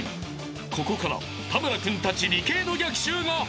［ここから田村君たち理系の逆襲が始まる］